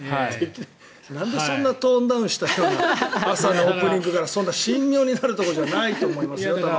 なんでそんなトーンダウンした朝のオープニングからそんな神妙になるところじゃないと思いますけど。